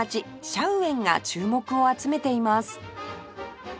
シャウエンが注目を集めています